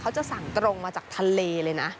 จะสั่งตรงมาจากทะเลเลยนะ